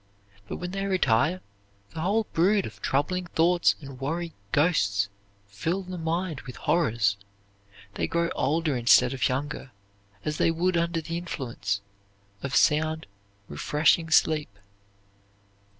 But when they retire, the whole brood of troubling thoughts and worry ghosts fill the mind with horrors. They grow older instead of younger, as they would under the influence of sound, refreshing sleep.